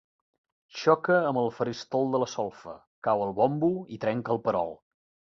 Xoque amb el faristol de la solfa, cau el bombo i trenca el perol.